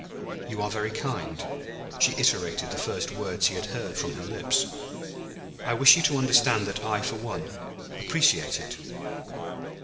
"You are very kind," she iterated the first words he had heard from her lips. "I wish you to understand that I, for one, appreciate it."